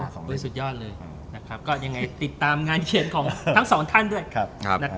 สุดยอดเลยติดตามงานเขียนของทั้ง๒ท่านด้วย